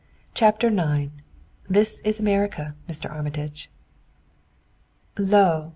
CHAPTER IX "THIS IS AMERICA, ME. ARMITAGE" Lo!